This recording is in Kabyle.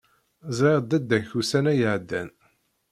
Ẓriɣ dadda-k ussan-a iεeddan.